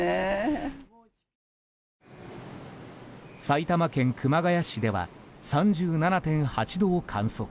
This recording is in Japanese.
埼玉県熊谷市では３７．８度を観測。